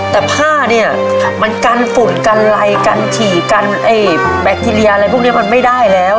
แต่ผ้าเนี่ยมันกันฝุ่นกันไลกันฉี่กันไอ้แบคทีเรียอะไรพวกนี้มันไม่ได้แล้ว